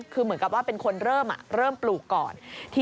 คือเหมือนกับว่าเป็นคนเริ่มปลูกก่อน